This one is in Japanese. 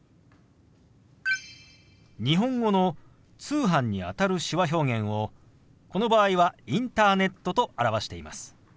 日本語の「通販」にあたる手話表現をこの場合は「インターネット」と表しています。